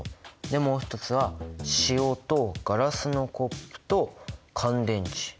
でもう一つは塩とガラスのコップと乾電池。